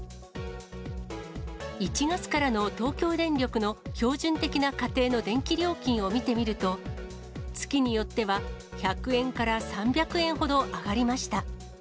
１月からの東京電力の標準的な家庭の電気料金を見てみると、月によっては１００円から３００円ほど上がりました。